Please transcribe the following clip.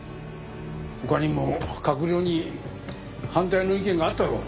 他にも閣僚に反対の意見があったろう。